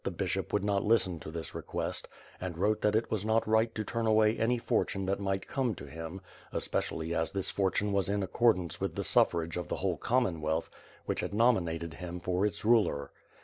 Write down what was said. bishop would not listen to this request, and wrote that it ./as not right to turn away any fortune that might come to him, especially as this fortune was in accordance with the suffrage of the whole Comonwealth which had nominated him for its ruler.